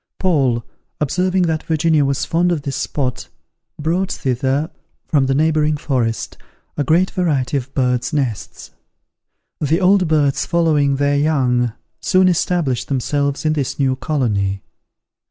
Paul, observing that Virginia was fond of this spot, brought thither, from the neighbouring forest, a great variety of bird's nests. The old birds following their young, soon established themselves in this new colony.